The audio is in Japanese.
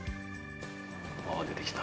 ああ、出てきた。